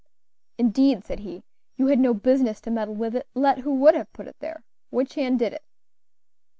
"Indeed," said he, "you had no business to meddle with it, let who would have put it there. Which hand did it?"